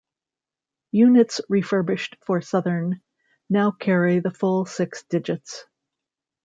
Units refurbished for Southern now carry the full six digits.